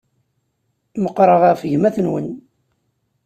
Meqqṛeɣ ɣef gma-twen.